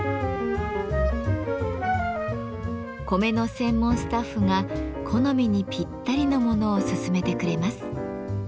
米の専門スタッフが好みにぴったりのものを勧めてくれます。